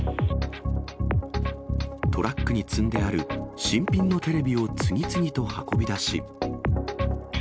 トラックに積んである新品のテレビを次々と運び出し。